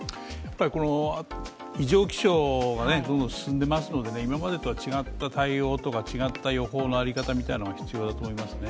この異常気象がどんどん進んでいますので今までとは違った対応とか違った予報の在り方が必要だと思いますね。